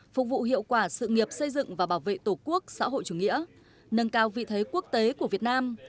phục vụ hiệu quả sự nghiệp xây dựng và bảo vệ tổ quốc xã hội chủ nghĩa nâng cao vị thế quốc tế của việt nam